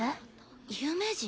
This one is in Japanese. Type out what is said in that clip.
有名人？